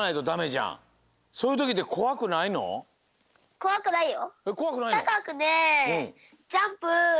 こわくないよ。